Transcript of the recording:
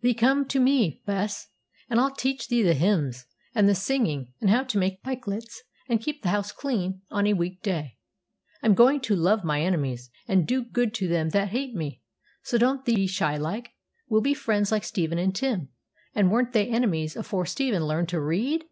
'Thee come to me, Bess, and I'll teach thee the hymns, and the singing, and how to make pikelets, and keep the house clean on a week day. I'm going to love my enemies, and do good to them that hate me; so don't thee be shy like. We'll be friends like Stephen and Tim; and weren't they enemies afore Stephen learned to read?'